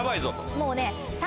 もうね。